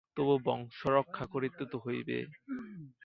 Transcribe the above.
তবু বংশরক্ষা করিতে তো হইবে।